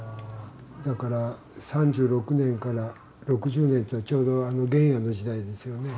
だから３６年から６０年というのはちょうど原野の時代ですよね。